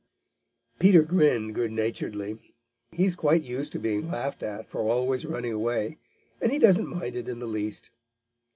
Peter grinned good naturedly. He is quite used to being laughed at for always running away, and he doesn't mind it in the least.